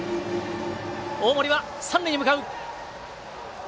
大森は三塁へ向かう。